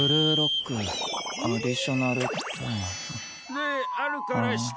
であるからして。